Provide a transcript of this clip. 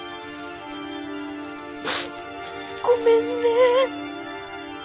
ごめんね！